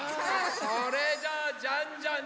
それじゃ「じゃんじゃん！